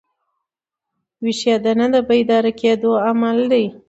ویښېدنه د بیدار کېدو عمل دئ.